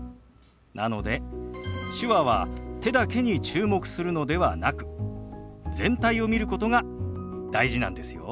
なので手話は手だけに注目するのではなく全体を見ることが大事なんですよ。